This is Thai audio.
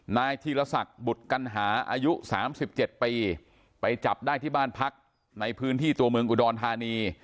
นายธีรศักดิ์บุตรกัณหาอายุ๓๗ปีไปจับได้ที่บ้านพักในพื้นที่ตัวเมืองอุดรธานี